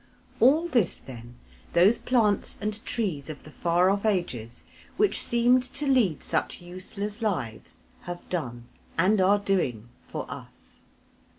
All this then, those plants and trees of the far off ages, which seemed to lead such useless lives, have done and are doing for us.